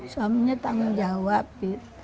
suaminya tanggung jawab